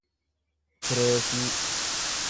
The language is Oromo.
pireesii